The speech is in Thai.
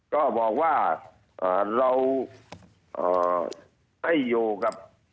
ก็บอกว่าเราให้อยู่กับ